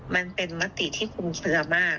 มันเป็นมติที่คุมเสือมาก